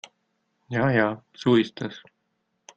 Ja ja, so ist das.